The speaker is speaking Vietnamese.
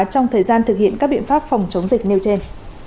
trong thời gian thực hiện các biện pháp phòng chống dịch nêu trên